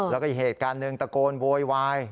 แล้วก็อีกเหตุการณ์หนึ่งตะโกนโวยวาย